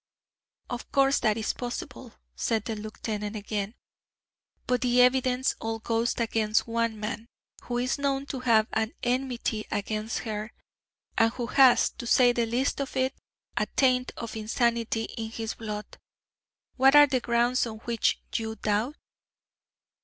"Of course that is possible," said the lieutenant again, "but the evidence all goes against one man, who is known to have an enmity against her, and who has, to say the least of it, a taint of insanity in his blood. What are the grounds on which you doubt?"